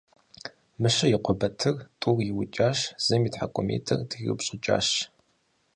Мыщэ и къуэ Батыр тӀур иукӀащ, зым и тхьэкӀумитӀыр триупщӀыкӀащ.